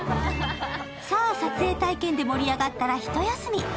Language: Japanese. さあ、撮影体験で盛り上がったら一休み。